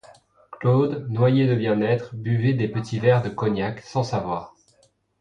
Claude, noyé de bien-être, buvait des petits verres de cognac, sans savoir.